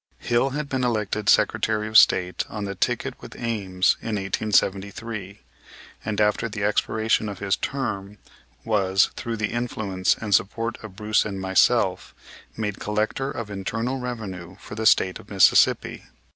Hill had been elected Secretary of State on the ticket with Ames in 1873 and, after the expiration of his term, was, through the influence and support of Bruce and myself, made Collector of Internal Revenue for the State of Mississippi.